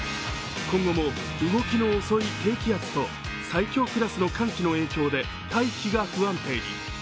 今後も、動きの遅い低気圧と最強クラスの寒気の影響で大気が不安定に。